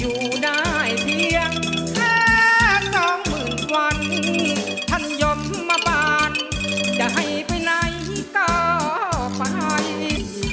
อยู่ได้เพียงแค่สองหมื่นวันท่านยมมาบานจะให้ไปไหนก็ไป